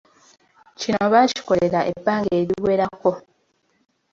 Kino baakikolera ebbanga eriwerako.